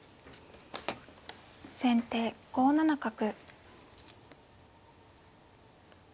先手５七角。